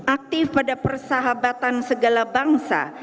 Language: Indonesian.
aktif pada persahabatan segala bangsa